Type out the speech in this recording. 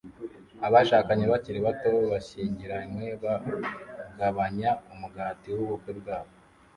Abashakanye bakiri bato bashyingiranywe bagabanya umugati wubukwe bwabo